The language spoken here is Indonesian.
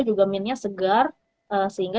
juga minyak segar sehingga